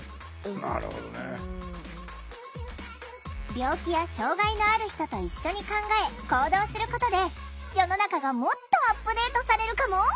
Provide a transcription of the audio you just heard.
病気や障害のある人と一緒に考え行動することで世の中がもっとアップデートされるかも？